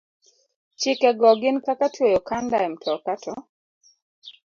Chike go gin kaka tweyo okanda e mtoka to